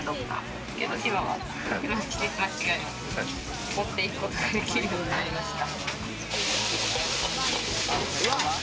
でも今は間違いなく持っていくことができるようになりました。